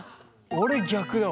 俺逆だわ。